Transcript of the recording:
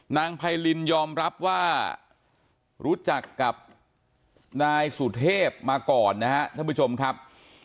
ไพรินยอมรับว่ารู้จักกับนายสุเทพมาก่อนนะครับท่านผู้ชมครับ